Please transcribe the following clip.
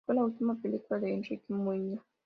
Fue la última película de Enrique Muiño.